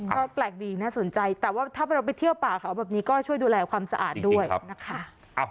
ก็แปลกดีน่าสนใจแต่ว่าถ้าเราไปเที่ยวป่าเขาแบบนี้ก็ช่วยดูแลความสะอาดด้วยนะคะ